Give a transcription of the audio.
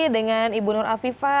dengan ibu nur afifah